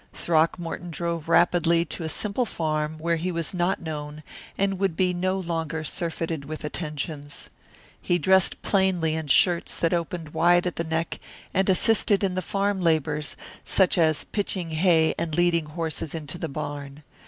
Throckmorton drove rapidly to a simple farm where he was not known and would be no longer surfeited with attentions. He dressed plainly in shirts that opened wide at the neck and assisted in the farm labours, such as pitching hay and leading horses into the barn.